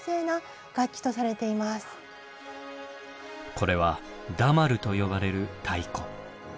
これは「ダマル」と呼ばれる太鼓。